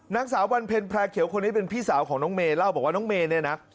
นางสาววันเพ็ญแพร่เขียวคนนี้เป็นพี่สาวของน้องเมย์เล่าบอกว่าน้องเมย์เนี่ยนะ